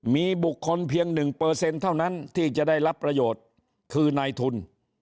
มีบุคคลเพียง๑เท่านั้นที่จะได้รับประโยชน์คือนายทุน